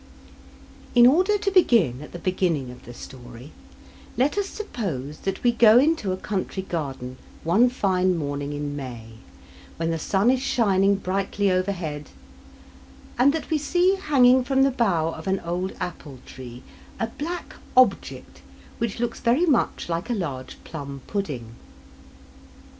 In order to begin at the beginning of the story, let us suppose that we go into a country garden one fine morning in May when the sun is shining brightly overhead, and that we see hanging from the bough of an old apple tree a black object which looks very much like a large plum pudding.